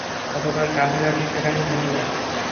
অতঃপর কাফেলাটি সেখানেই থেমে যায়।